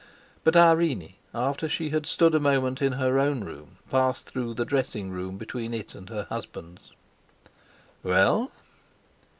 But Irene, after she had stood a moment in her own room, passed through the dressing room between it and her husband's. "Well?"